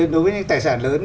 đối với những tài sản lớn